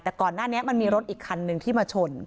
แต่ก่อนหน้านี้มันมีรถอีกคันหนึ่งที่มาชน